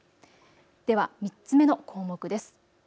では３つ目の項目です。